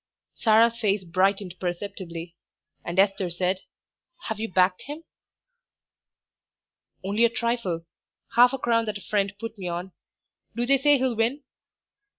Sarah's face brightened perceptibly, and Esther said "Have you backed him?' "Only a trifle; half a crown that a friend put me on. Do they say he'll win?"